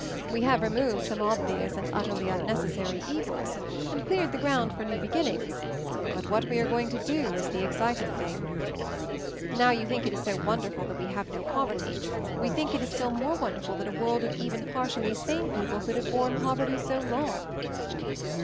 We have removed some obvious and utterly unnecessary evils, and cleared the ground for new beginnings ; but what we are going to do is the exciting thing! 124 MOVING THE MOUNTAIN "Now you think it is so wonderful that we have no poverty. We think it is still more wonderful that a world of even par tially sane people could have borne poverty so long."